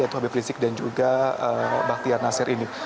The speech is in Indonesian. yaitu hb prinsip dan juga bakhtiar nasir ini